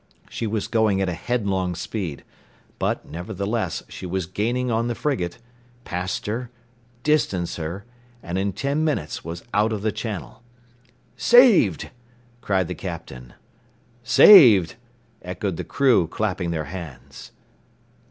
She was going at a headlong speed, but, nevertheless, she was gaining on the frigate passed her, distanced her, and in ten minutes was out of the channel. "Saved!" cried the Captain. "Saved!" echoed the crew, clapping their hands.